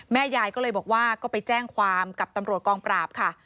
ยายก็เลยบอกว่าก็ไปแจ้งความกับตำรวจกองปราบค่ะ